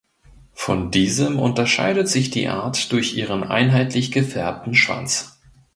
Von diesem unterscheidet sich die Art durch ihren einheitlich gefärbten Schwanz.